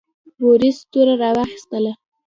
بوریس توره راواخیستله.